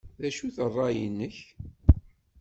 D acu-t ṛṛay-nnek?